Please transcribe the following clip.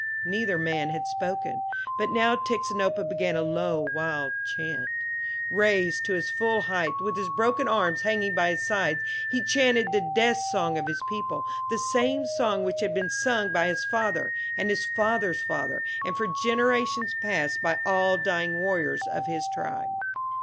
Neither man had spoken, but now Tixinopa began a low, wild chant. Raised to his full height, with his broken arms hanging by his sides, he chanted the death song of his people, the same song which had been sung by his father, and his father's father, and for generations past by all the dying warriors of his tribe.